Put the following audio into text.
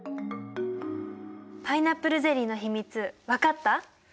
パイナップルゼリーの秘密分かった？